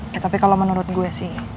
ya tapi kalau menurut gue sih